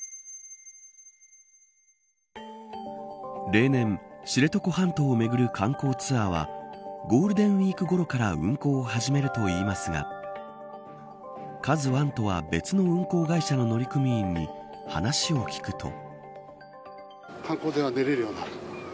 例年、知床半島を巡る観光ツアーはゴールデンウイークごろから運航を始めるといいますがＫＡＺＵ１とは別の運航会社の乗組員に話を聞くと。